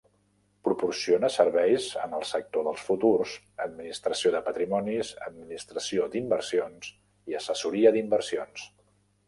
Proporciona serveis en el sector dels futurs, administració de patrimonis, administració d'inversions i assessoria d'inversions.